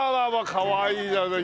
かわいいじゃない。